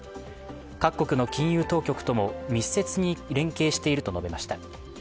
各国の金融当局とも密接に連携していると述べました。